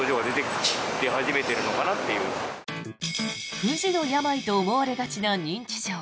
不治の病と思われがちな認知症。